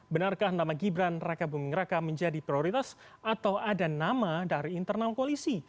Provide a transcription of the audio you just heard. benarkah nama gibran raka buming raka menjadi prioritas atau ada nama dari internal koalisi